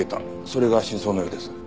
それが真相のようです。